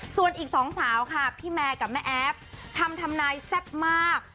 ส่วนอีกสองสาวค่ะพี่แมร์กับแม่แอฟทำทำนายแซ่บมาก